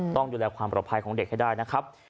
ต้องดูแลความปลอดภัยของเด็กให้ได้นะครับ